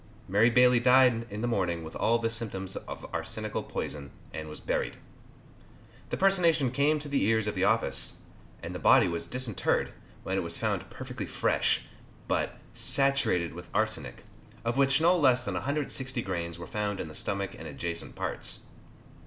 Mary Bailey died in the morning with all the symptoms of arsenical poison, and was buried. The personation came to the ears of the office, and the body was disinterred, when it was found perfectly fresh, but "saturated with arsenic," of which no less than 160 grains were found in the stomach and adjacent parts.